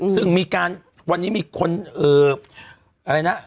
ซึ่งมีการวันนี้มีคนอะไรนะ